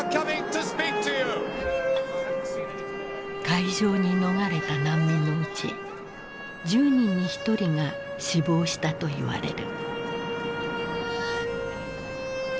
海上に逃れた難民のうち１０人に１人が死亡したといわれる。